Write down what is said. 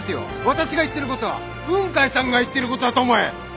私が言ってることは雲海さんが言ってることだと思え